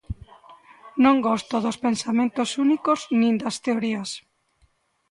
Non gosto dos pensamentos únicos nin das teorías.